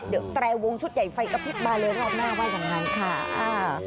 เดี๋ยวแตรวงชุดใหญ่ไฟกระพริบมาเลยรอบหน้าว่าอย่างนั้นค่ะอ่า